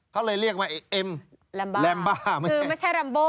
เขาเลยเรียกมาเอ็มแรมบ้าแรมบ้าคือไม่ใช่แรมโบ